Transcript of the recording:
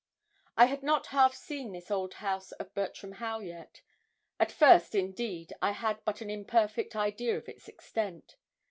I had not half seen this old house of Bartram Haugh yet. At first, indeed, I had but an imperfect idea of its extent.